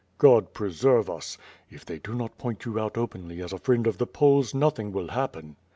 "God preserve us." "If they do not point you out openly as a friend of the Poles, nothing will happen."